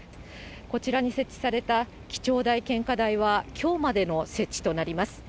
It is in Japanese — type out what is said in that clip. こちらに設置された記帳台、献花台は、きょうまでの設置となります。